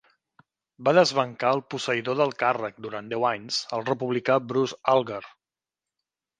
Va desbancar el posseïdor del càrrec, durant deu anys, el republicà Bruce Alger.